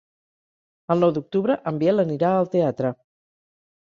El nou d'octubre en Biel anirà al teatre.